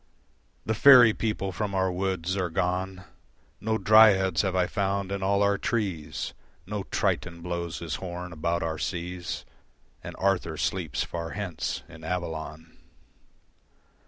The faerie people from our woods are gone, No Dryads have I found in all our trees, No Triton blows his horn about our seas And Arthur sleeps far hence in Avalon.